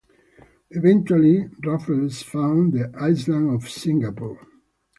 Eventually Raffles found the island of Singapore.